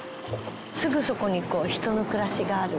すぐそこにこう人の暮らしがある。